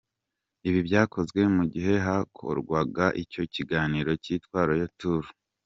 Ibi byakozwe mu gihe hakorwaga icyo kiganiro cyitwa Royal Tour.